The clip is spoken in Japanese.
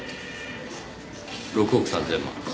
６億３０００万。